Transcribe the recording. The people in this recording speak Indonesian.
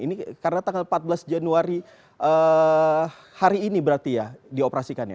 ini karena tanggal empat belas januari hari ini berarti ya dioperasikannya